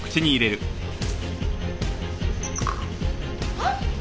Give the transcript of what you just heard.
あっ！